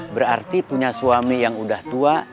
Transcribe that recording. berarti punya suami yang udah tua